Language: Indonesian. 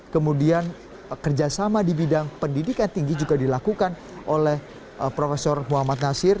kemudian kerjasama di bidang pendidikan tinggi juga dilakukan oleh prof muhammad nasir